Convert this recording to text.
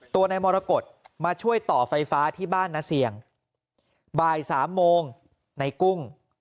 ตัวนายมรกฏมาช่วยต่อไฟฟ้าที่บ้านนาเสี่ยงบ่ายสามโมงในกุ้ง